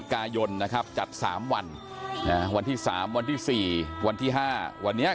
แต่ของเราก็คือเรามีได้เป็นศูนย์สวรรค์ชั้นฟ้า